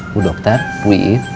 bu dokter pui